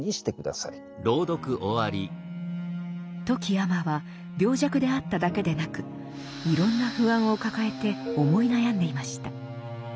富木尼は病弱であっただけでなくいろんな不安を抱えて思い悩んでいました。